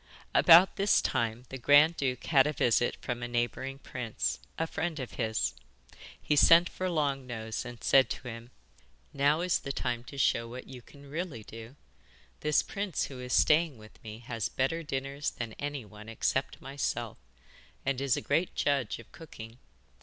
About this time the grand duke had a visit from a neighbouring prince, a friend of his. He sent for Long Nose and said to him: 'Now is the time to show what you can really do. This prince who is staying with me has better dinners than any one except myself, and is a great judge of cooking.